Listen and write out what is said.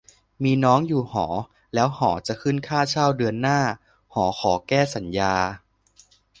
- มีน้องอยู่หอ แล้วหอจะขึ้นค่าเช่าเดือนหน้า หอขอแก้สัญญา